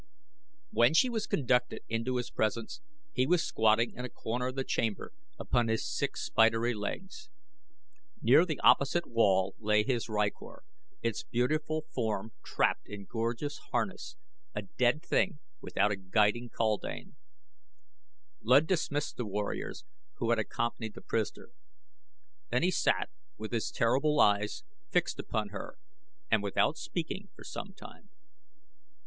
When she was conducted into his presence he was squatting in a corner of the chamber upon his six spidery legs. Near the opposite wall lay his rykor, its beautiful form trapped in gorgeous harness a dead thing without a guiding kaldane. Luud dismissed the warriors who had accompanied the prisoner. Then he sat with his terrible eyes fixed upon her and without speaking for some time.